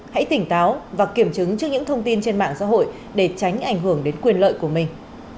hãy tỉnh táo và kiểm chứng trước những thông tin trên mạng xã hội để tránh ảnh hưởng đến quyền lợi của mình